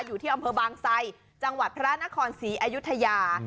อยู่ที่อำเภอบางไซจังหวัดพระนครศรีอยุธยา